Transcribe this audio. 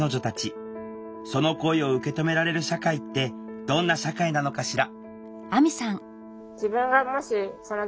その声を受けとめられる社会ってどんな社会なのかしら？